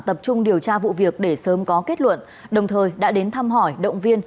tập trung điều tra vụ việc để sớm có kết luận đồng thời đã đến thăm hỏi động viên